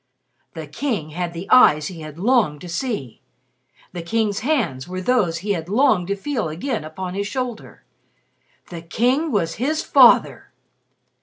The King had the eyes he had longed to see the King's hands were those he had longed to feel again upon his shoulder the King was his father!